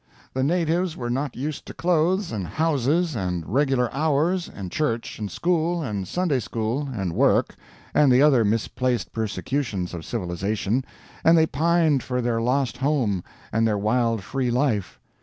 The Natives were not used to clothes, and houses, and regular hours, and church, and school, and Sunday school, and work, and the other misplaced persecutions of civilization, and they pined for their lost home and their wild free life.